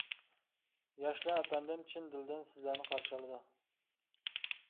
ياشلار ئەپەندىم چىن دىلىدىن سىزلەرنى قارشى ئالىدۇ.